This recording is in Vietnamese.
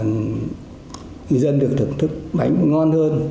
người dân được thưởng thức bánh ngon hơn